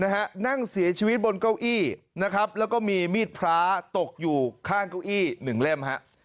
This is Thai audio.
นั่งเสียชีวิตบนเก้าอี้นะครับแล้วก็มีมีดพระตกอยู่ข้างเก้าอี้หนึ่งเล่มฮะ